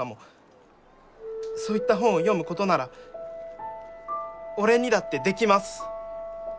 そういった本を読むことなら俺にだってできます！